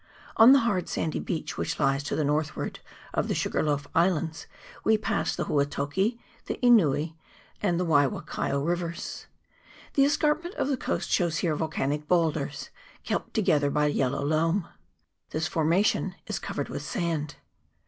On the hard sandy beach which lies to the northward of the Sugarloaf Islands we passed the Huatoki, the Enui, and the Waiwakaio rivers. The escarpment of the coast shows here volcanic boulders, kept together by a yellow loam. This formation is covered with sand.